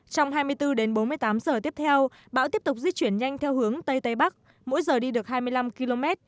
trong hai mươi bốn đến bốn mươi tám giờ tiếp theo bão tiếp tục di chuyển nhanh theo hướng tây tây bắc mỗi giờ đi được hai mươi năm km